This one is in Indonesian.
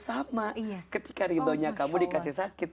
lama ketika ribonya kamu dikasih sakit